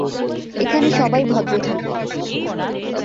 এখানে সবাই ভদ্র থাকবে।